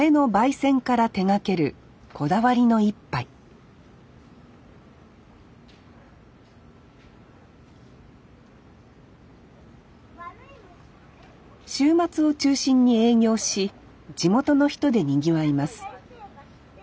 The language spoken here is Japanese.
煎から手がけるこだわりの１杯週末を中心に営業し地元の人でにぎわいます